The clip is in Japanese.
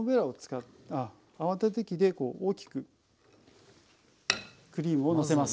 泡立て器でこう大きくクリームをのせます。